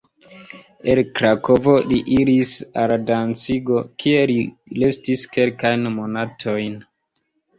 El Krakovo li iris al Dancigo, kie li restis kelkajn monatojn.